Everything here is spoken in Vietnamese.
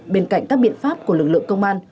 bên cạnh các biện pháp của lực lượng công an